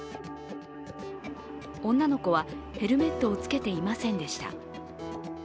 女の子はヘルメットをつけていませんでした。